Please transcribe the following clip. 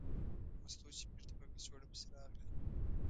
مستو چې بېرته په کڅوړه پسې راغله.